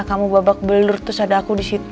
kamu babak belur terus ada aku disitu